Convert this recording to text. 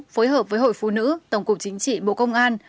phối hợp với hội phụ nữ tổng cục chính trị bộ công an